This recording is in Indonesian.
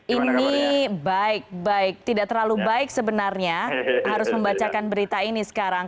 ini baik baik tidak terlalu baik sebenarnya harus membacakan berita ini sekarang